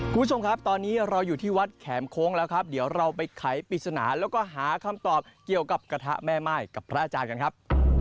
คุณผู้ชมครับตอนนี้เราอยู่ที่วัดแขมโค้งแล้วครับเดี๋ยวเราไปไขปริศนาแล้วก็หาคำตอบเกี่ยวกับกระทะแม่ม่ายกับพระอาจารย์กันครับ